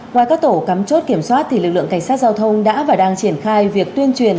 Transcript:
ngoài các tổ cắm chốt kiểm soát lực lượng cảnh sát giao thông đã và đang triển khai việc tuyên truyền